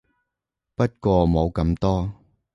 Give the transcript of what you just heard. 不過冇咁多